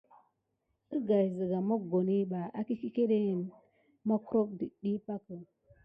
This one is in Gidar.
Əgaya siga mokoni bà akudekene dik awulan gala kisia ɗe.